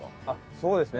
そうですね。